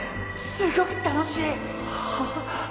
すごく楽しい！